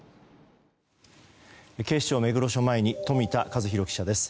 警視庁目黒署前に冨田和裕記者です。